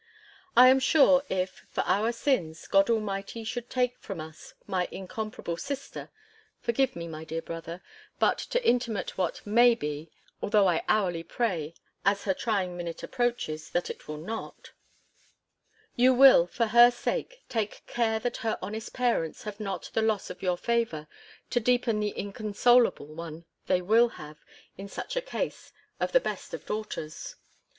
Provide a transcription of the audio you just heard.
I am sure, if, for our sins, God Almighty should take from us my incomparable sister (forgive me, my dear brother, but to intimate what may be, although I hourly pray, as her trying minute approaches, that it will not), you will, for her sake, take care that her honest parents have not the loss of your favour, to deepen the inconsolable one, they will have, in such a case, of the best of daughters.